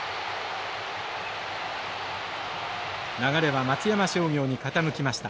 流れは松山商業に傾きました。